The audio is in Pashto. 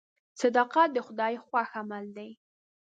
صداقت د خدای خوښ عمل دی.